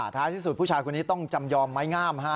ท้ายที่สุดผู้ชายคนนี้ต้องจำยอมไม้งาม